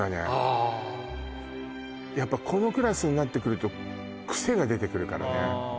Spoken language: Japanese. あやっぱこのクラスになってくるとクセが出てくるからね